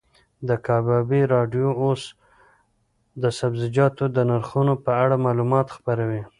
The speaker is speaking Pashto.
د کبابي راډیو اوس د سبزیجاتو د نرخونو په اړه معلومات خپروي.